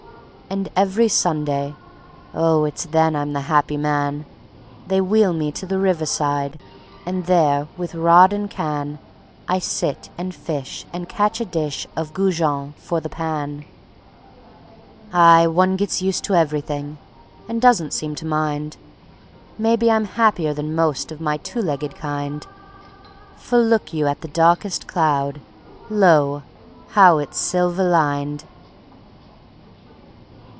And every Sunday oh, it's then I am the happy man; They wheel me to the river side, And there with rod and can I sit and fish and catch a dish Of goujons for the pan. Aye, one gets used to everything, And doesn't seem to mind; Maybe I'm happier than most Of my two legged kind; For look you at the darkest cloud, Lo! how it's silver lined.